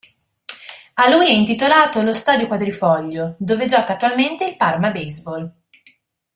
A lui è intitolato lo stadio Quadrifoglio dove gioca attualmente il Parma Baseball.